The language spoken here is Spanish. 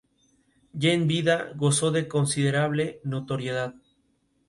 En Argentina es la "Selva de las Yungas" o "Selva tucumano-Oranense, entre otros nombres.